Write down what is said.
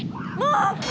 あっ！